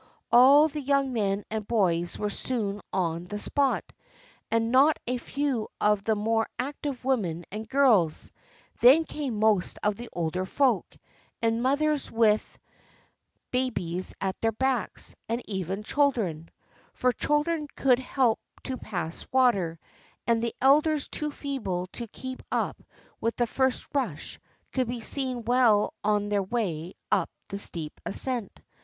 All the young men and boys were soon on the spot, and not a few of the more active women and girls; then came most of the older folk, and mothers with babies at their backs, and even children, — for children could help to pass water; and the elders too feeble to keep up with the first rush could be seen well on their way up the steep ascent.